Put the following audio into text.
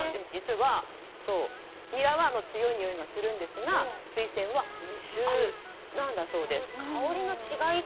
ニラは強いにおいがするんですがスイセンは無臭なんだそうです。